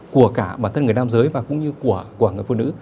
của cả bản thân người nam giới và cũng như của người phụ nữ